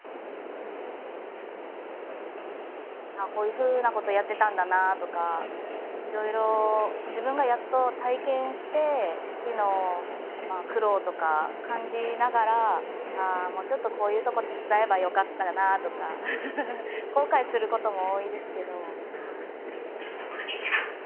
こういうふうなことをやっていたんだなとかいろいろ自分がやっと体験して父の苦労とか感じながらもうちょっとこういうところ手伝えばよかったなとか後悔することも多いですけど。